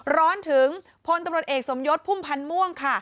ร้อนถึงพลตำรวจเอกสมยศพุ่มพันธ์ม่วงค่ะ